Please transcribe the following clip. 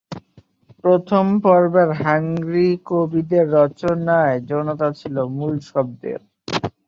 প্রথম পর্বের হাংরি কবিদের রচনায় যৌনতা ছিল মূলত শব্দের।